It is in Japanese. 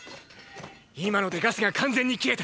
今のでガスが完全に切れた。